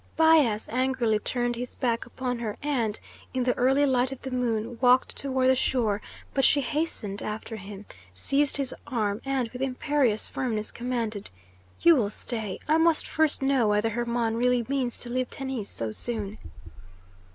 Bias angrily turned his back upon her and, in the early light of the moon, walked toward the shore, but she hastened after him, seized his arm and, with imperious firmness, commanded: "You will stay! I must first know whether Hermon really means to leave Tennis so soon."